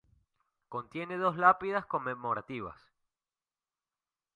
Contiene dos lápidas conmemorativas.